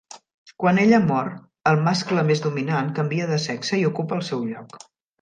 Quan ella mor, el mascle més dominant canvia de sexe i ocupa el seu lloc.